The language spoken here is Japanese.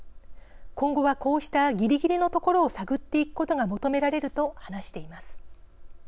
今後はこうしたギリギリのところを探っていくことが求められると話しています。